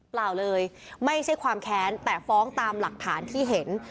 เปล่าเลยไม่ใช่ความแค้นแต่ฟ้องตามหลักฐานที่เห็น